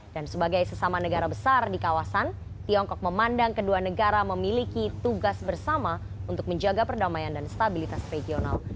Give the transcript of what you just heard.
sebagai sesama negara besar di kawasan tiongkok memandang kedua negara memiliki tugas bersama untuk menjaga perdamaian dan stabilitas regional